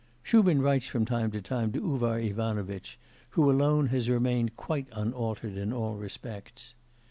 Shubin writes from time to time to Uvar Ivanovitch, who alone has remained quite unaltered in all respects.